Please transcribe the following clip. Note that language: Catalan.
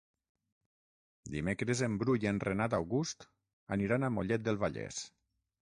Dimecres en Bru i en Renat August aniran a Mollet del Vallès.